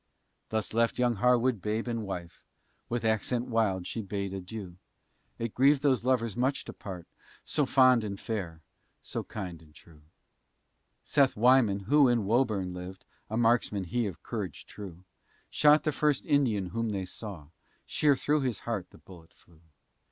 Thus left young Harwood babe and wife, With accent wild she bade adieu; It grieved those lovers much to part, So fond and fair, so kind and true. Seth Wyman, who in Woburn lived (A marksman he of courage true), Shot the first Indian whom they saw, Sheer through his heart the bullet flew.